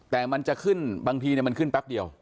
แต่มันจะขึ้นบางทีมันขึ้นแป๊บเดียว